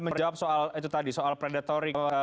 menjawab soal predatorik